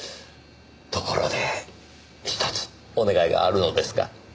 ところでひとつお願いがあるのですが。